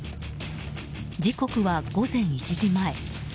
時刻は午前１時前。